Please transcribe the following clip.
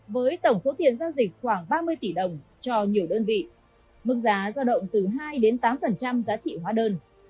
với tổng số tiền giao dịch khoảng ba mươi tỷ đồng cho nhiều đơn vị mức giá giao động từ hai đến tám giá trị hóa đơn